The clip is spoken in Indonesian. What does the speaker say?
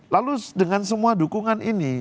lalu dengan semua dukungan ini